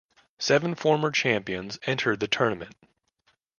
Seven former champions entered the tournament.